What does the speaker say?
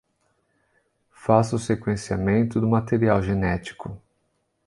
Faça o sequenciamento do material genético